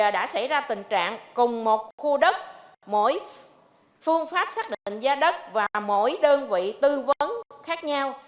đã xảy ra tình trạng cùng một khu đất mỗi phương pháp xác định giá đất và mỗi đơn vị tư vấn khác nhau